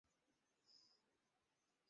একই ভুল অন্তত আমি করব না!